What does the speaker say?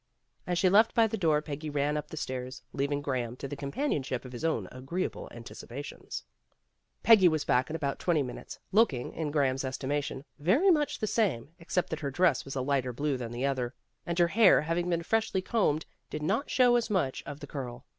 As she left by the door, Peggy ran up the stairs, leaving Graham to the companion ship of his own agreeable anticipations. Peggy was back in about twenty minutes, looking, in Graham 's estimation, very much the same, except that her dress was a lighter blue than the other, and her hair, having been freshly combed, did not show as much of the curl.